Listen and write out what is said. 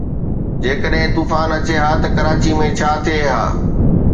جيڪڏهن طوفان اچي ها ته ڪراچي ۾ ڇا ٿئي ها؟